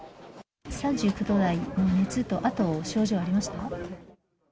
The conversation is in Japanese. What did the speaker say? ３９度台の熱と、あと症状はありますか？